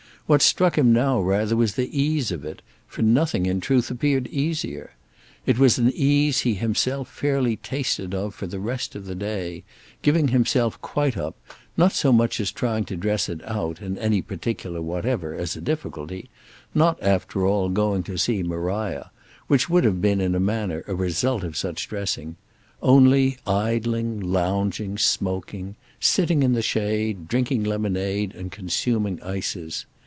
What struck him now rather was the ease of it—for nothing in truth appeared easier. It was an ease he himself fairly tasted of for the rest of the day; giving himself quite up; not so much as trying to dress it out, in any particular whatever, as a difficulty; not after all going to see Maria—which would have been in a manner a result of such dressing; only idling, lounging, smoking, sitting in the shade, drinking lemonade and consuming ices.